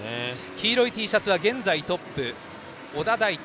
黄色いＴシャツは現在トップの小田大樹。